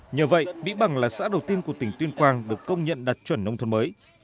nhờ vậy mỹ bằng là xã đầu tiên của tỉnh tuyên quang được công nhận đạt chuẩn nông thôn mới